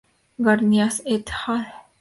Garnica et al.